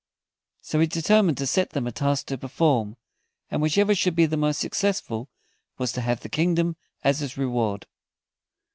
So he determined to set them a task to perform, and whichever should be the most successful was to have the kingdom as his reward.